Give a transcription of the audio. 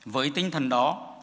với tinh thần đồng bào